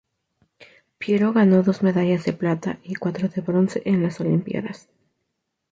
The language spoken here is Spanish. Piero ganó dos medallas de plata y cuatro de bronce en las olimpiadas.